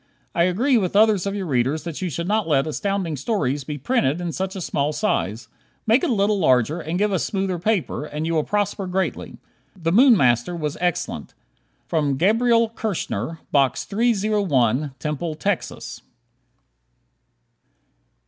I agree with others of your readers that you should not let Astounding Stories be printed in such a small size. Make it a little larger, and give us smoother paper, and you will prosper greatly. "The Moon Master" was excellent. Gabriel Kirschner, Box 301, Temple, Texas.